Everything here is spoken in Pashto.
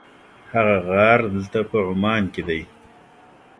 هغه غار دلته په عمان کې دی.